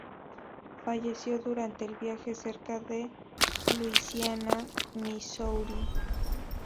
Falleció durante el viaje cerca de Luisiana, Missouri.